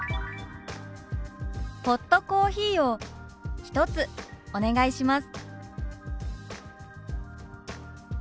「ホットコーヒーを１つお願いします」。